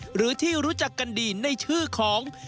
หรือที่รู้จักกันดีในชื่อของ